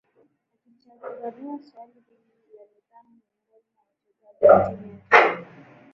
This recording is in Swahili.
akichanganua swala hili la nidhamu miongoni mwa wachezaji wa timu ya taifa